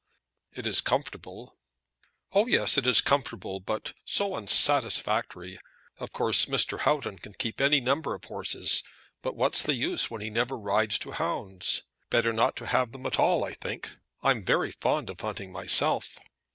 "It is comfortable." "Oh yes, it is comfortable; but so unsatisfactory! Of course Mr. Houghton can keep any number of horses; but, what's the use, when he never rides to hounds? Better not have them at all, I think. I am very fond of hunting myself."